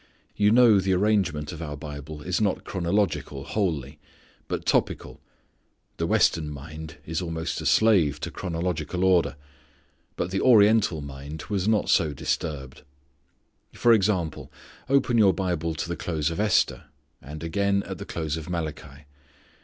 You know the arrangement of our Bible is not chronological wholly, but topical. The Western mind is almost a slave to chronological order. But the Oriental was not so disturbed. For example, open your Bible to the close of Esther, and again at the close of Malachi.